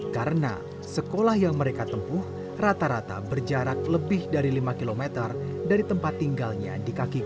karena sekolah yang mereka tempuh rata rata berjarak lebih dari lima km dari tempat tinggalnya di kaki gunung